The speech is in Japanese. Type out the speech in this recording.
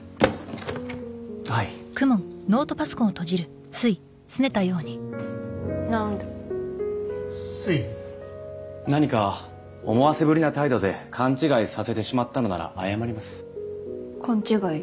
はいなーんだすい何か思わせぶりな態度で勘違いさせてしまったのなら謝ります勘違い？